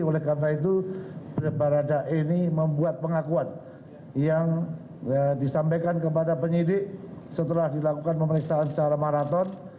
oleh karena itu barada e ini membuat pengakuan yang disampaikan kepada penyidik setelah dilakukan pemeriksaan secara maraton